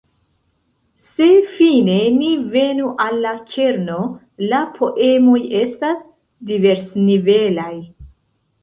Se fine ni venu al la kerno, la poemoj estas diversnivelaj.